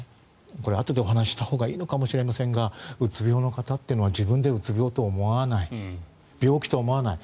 これはあとでお話ししたほうがいいのかもしれませんがうつ病の方というのは自分でうつ病と思わない病気と思わない。